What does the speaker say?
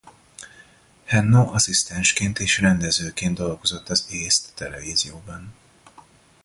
Henno asszisztensként és rendezőként dolgozott az Észt Televízióban.